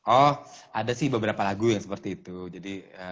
oh ada sih beberapa lagu yang seperti itu jadi